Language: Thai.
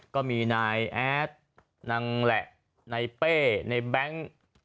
ก็มีนายแอดนางแหละนายเป้ในแบงค์